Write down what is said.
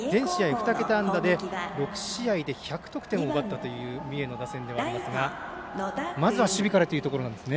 全試合２桁安打で６試合で１００得点を奪ったという三重の打線ですがまずは守備からですね。